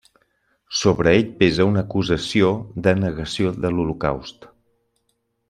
Sobre ell pesa una acusació de negació de l'Holocaust.